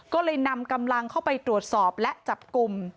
ก็เลยนำกำลังเข้าไปตรวจสอบและจับกลุ่ม